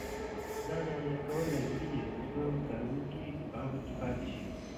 دا رعایت کول لازمي دي ترڅو کارکوونکي په امن کې پاتې شي.